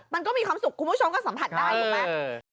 มันก็มีความสุขคุณผู้ชมก็สัมผัสได้ถูกไหม